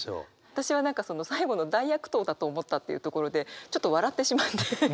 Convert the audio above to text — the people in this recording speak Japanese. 私は何かその最後の「大悪党だと思った」っていうところでちょっと笑ってしまって。